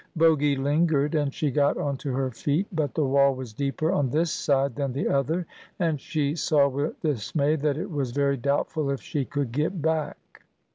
Bogy lingered, and she got on to her feet; but the wall was deeper on this side than the other, and she saw with dismay that it was very doubtful if she could get back.